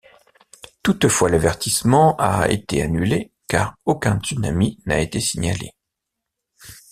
Toutefois l'avertissement a été annulé car aucun tsunami n'a été signalé.